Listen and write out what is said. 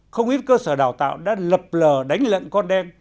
không ít cơ sở đào tạo đã lập lờ đánh lận con đem